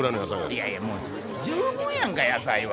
いやいやもう十分やんか野菜は。